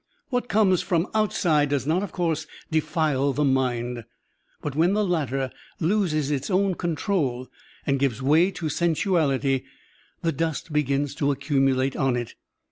What comes from outside does not, of course, defile the mind, but when the latter loses its own control and gives way to sensuality, the dust begins to accumulate on it.